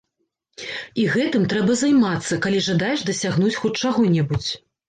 І гэтым трэба займацца, калі жадаеш дасягнуць хоць чаго-небудзь.